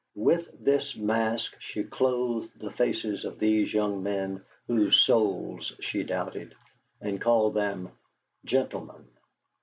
With this mask she clothed the faces of these young men whose souls she doubted, and called them gentlemen.